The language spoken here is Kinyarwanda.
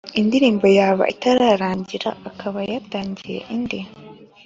indirimbo, yaba itararangira akaba yatangiye indi